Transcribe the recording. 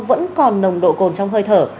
vẫn còn lồng đồ côn trong hơi thở